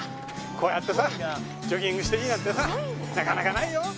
こうやってさジョギングしていいなんてさなかなかないよ。